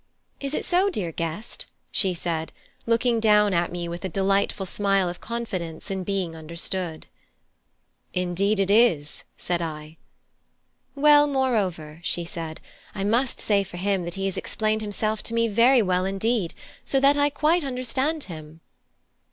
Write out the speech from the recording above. Is it so, dear guest?" she said, looking down at me with a delightful smile of confidence in being understood. "Indeed it is," said I. "Well, moreover," she said, "I must say for him that he has explained himself to me very well indeed, so that I quite understand him."